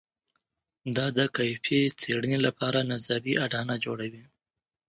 دا د کیفي څېړنې لپاره نظري اډانه جوړوي.